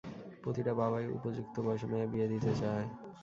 প্রতিটা বাবাই উপযুক্ত বয়সে মেয়েকে বিয়ে দিতে চায়।